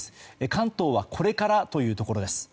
関東はこれからというところです。